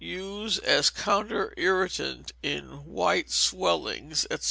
Use as a counter irritant in white swellings, &c.